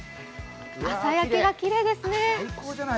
朝焼けがきれいですね。